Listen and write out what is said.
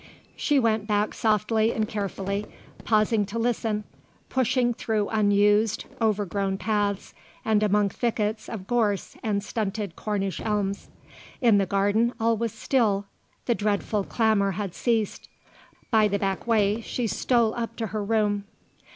She went back softly and carefully, pausing to listen, pushing through unused, overgrown paths and among thickets of gorse and stunted Cornish elms. In the garden all was still; the dreadful clamour had ceased. By the back way she stole up to her room.